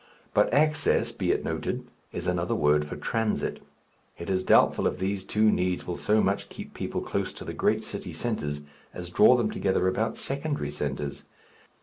But access, be it noted, is another word for transit. It is doubtful if these two needs will so much keep people close to the great city centres as draw them together about secondary centres.